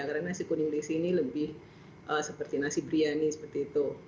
karena nasi kuning di sini lebih seperti nasi biryani seperti itu